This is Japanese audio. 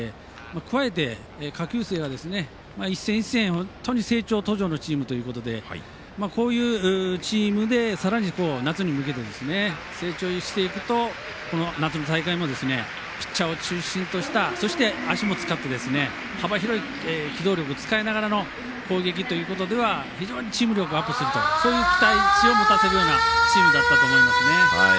加えて、下級生が一戦一戦本当に成長途上のチームということで、こういうチームでさらに、夏に向けて成長していくと夏の大会もピッチャーを中心としたそして、足も使って幅広い機動力を使いながらの攻撃ということでは非常にチーム力がアップするそういう期待値を持たせるようなチームだったと思いますね。